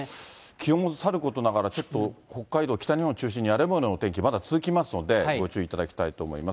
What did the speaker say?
気温もさることながら、ちょっと北海道、北日本を中心に、荒れもようのお天気、続きますので、ご注意いただきたいと思います。